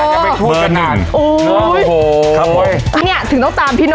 ต้องบอกว่าช่วงพี่โน่นุ่มเรียกว่าติดทีมชาติชุดเอ